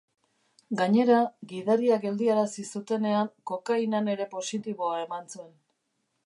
Gainera, gidaria geldiarazi zutenean kokainan ere positiboa eman zuen.